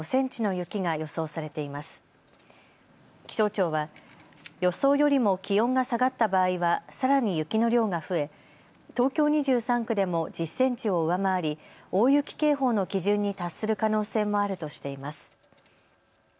気象庁は、予想よりも気温が下がった場合はさらに雪の量が増え東京２３区でも１０センチを上回り大雪警報の基準に達する可能性もあるとしています。